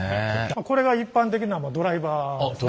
これが一般的なドライバーですね。